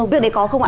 việc đấy có không ạ